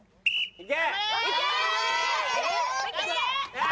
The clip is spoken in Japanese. いけ！